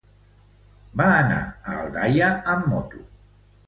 Va anar a Aldaia amb moto.